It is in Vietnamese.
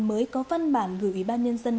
mới có văn bản gửi ủy ban nhân dân